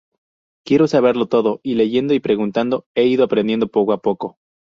Quiero saberlo todo y leyendo y preguntando he ido aprendiendo poco a poco.